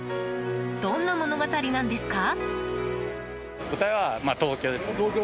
どんな物語なんですか？